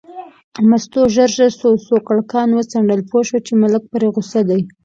مستو ژر ژر سوکړکان وڅنډل، پوه شوه چې ملک پرې غوسه دی.